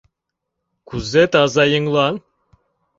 Кузе таза еҥлан?